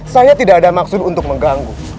saya tidak ada maksud untuk mengganggu